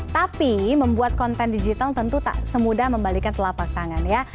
tapi membuat konten digital tentu tak semudah membalikan telapak tangan ya